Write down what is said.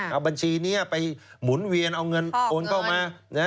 เอาบัญชีนี้ไปหมุนเวียนเอาเงินโอนเข้ามา